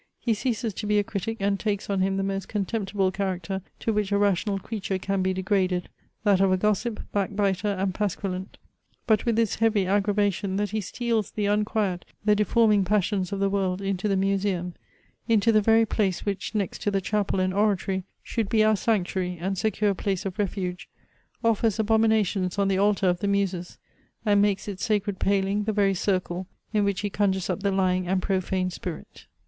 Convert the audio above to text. He ceases to be a critic, and takes on him the most contemptible character to which a rational creature can be degraded, that of a gossip, backbiter, and pasquillant: but with this heavy aggravation, that he steals the unquiet, the deforming passions of the world into the museum; into the very place which, next to the chapel and oratory, should be our sanctuary, and secure place of refuge; offers abominations on the altar of the Muses; and makes its sacred paling the very circle in which he conjures up the lying and profane spirit.